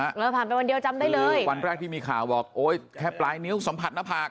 หน้าชัดน่านได้เลยวันแรกที่มีข่าววอกโอ๊ยแค่ปลายนิ้วส่องผัดหน้าผาก